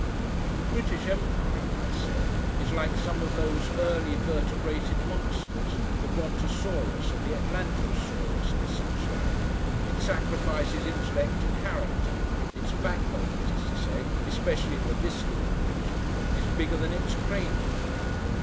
"The British Empire," I said, "is like some of those early vertebrated monsters, the Brontosaurus and the Atlantosaurus and such like; it sacrifices intellect to character; its backbone, that is to say, especially in the visceral region is bigger than its cranium.